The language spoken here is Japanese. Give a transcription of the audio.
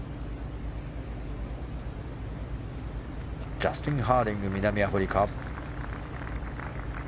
ジャスティン・ハーディング、南アフリカ。